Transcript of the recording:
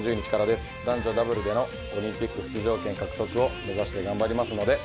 男女ダブルでのオリンピック出場権獲得を目指して頑張りますので。